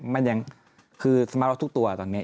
มันยังคือสมาร์ทรถทุกตัวตอนนี้